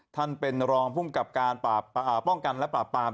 ท่านเป็นรองภูมิกับการป้องกันและปราบปราม